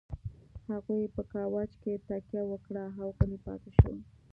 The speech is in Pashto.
هغې په کاوچ کې تکيه وکړه او غلې پاتې شوه.